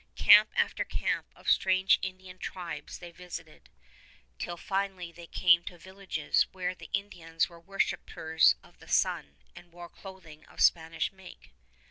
Camp after camp of strange Indian tribes they visited, till finally they came to villages where the Indians were worshipers of the sun and wore clothing of Spanish make.